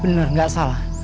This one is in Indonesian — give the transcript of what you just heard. bener gak salah